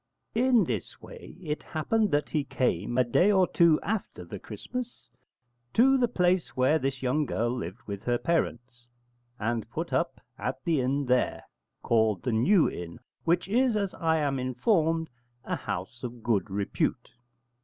In this way it happened that he came, a day or two after the Christmas, to the place where this young girl lived with her parents, and put up at the inn there, called the New Inn, which is, as I am informed, a house of good repute.